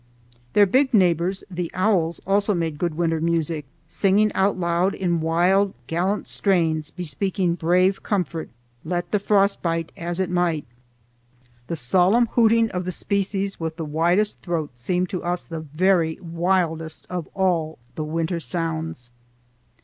Their big neighbors the owls also made good winter music, singing out loud in wild, gallant strains bespeaking brave comfort, let the frost bite as it might. The solemn hooting of the species with the widest throat seemed to us the very wildest of all the winter sounds.